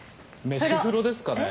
飯風呂ですかね。